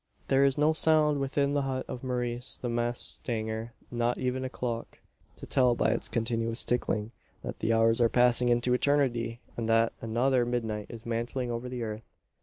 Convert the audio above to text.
There is no sound within the hut of Maurice the mustanger not even a clock, to tell, by its continuous ticking, that the hours are passing into eternity, and that another midnight is mantling over the earth.